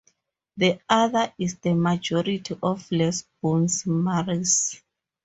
The other is the majority of Les Bonnes Mares.